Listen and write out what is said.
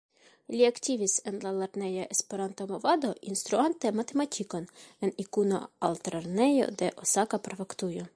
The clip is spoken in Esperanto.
Li aktivis en la lerneja Esperanto-movado instruante matematikon en Ikuno-Altlernejo de Osaka-prefektujo.